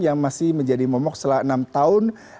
yang masih menjadi momok setelah enam tahun